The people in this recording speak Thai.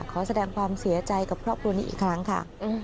ขอแสดงความเสียใจกับครอบครัวนี้อีกครั้งค่ะ